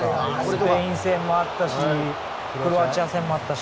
スペイン戦もあったしクロアチア戦もあったし。